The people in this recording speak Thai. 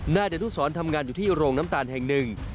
นายเดะนู้สอนทำงานอยู่ที่โรงน้ำตาลแห่ง๑